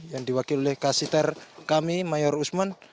yang diwakili oleh kasiter kami mayor usman